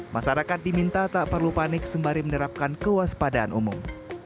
masyarakat diminta tak perlu panik sembari menerapkan kewaspadaan umum